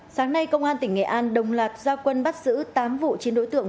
sáng nay công an tỉnh nghệ an đồng loạt gia quân bắt giữ tám vụ chín đối tượng